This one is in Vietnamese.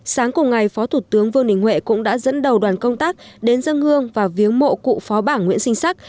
sáng cùng ngày phó thủ tướng vương đình huệ cũng đã dẫn đầu đoàn công tác đến dân hương và viếng mộ cụ phó bảng nguyễn sinh sắc